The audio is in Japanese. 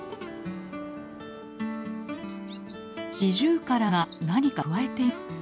シジュウカラが何かくわえています。